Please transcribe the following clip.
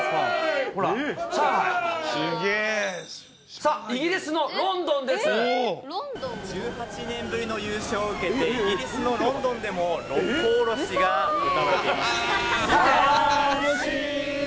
さあ、イギリスのロンドンで１８年ぶりの優勝を受けて、イギリスのロンドンでも、六甲おろしが歌われています。